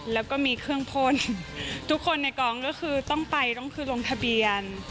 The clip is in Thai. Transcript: แล้วก็มีเครื่องพ่นทุกคนในกองก็คือต้องไปต้องคือลงทะเบียน